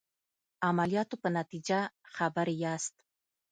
عملیاتو په نتیجه خبر یاست.